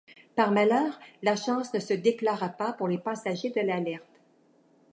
Par malheur, la chance ne se déclara pas pour les passagers de l’Alert.